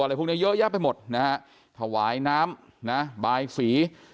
อะไรพวกนี้เยอะแยะไปหมดนะฮะถวายน้ำนะบายสี